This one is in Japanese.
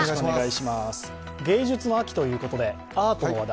芸術の秋ということでアートの話題。